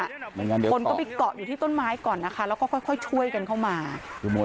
เหมือนกันคนก็ไปเกาะอยู่ที่ต้นไม้ก่อนนะคะแล้วก็ค่อยช่วยกันเข้ามาขโมย